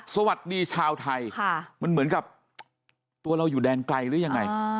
สวัสดีชาวไทยมันเหมือนกับตัวเราอยู่แดนไกลหรือยังไง